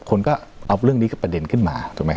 คนก็เอาเรื่องนี้ขึ้นไปเด่นขึ้นมา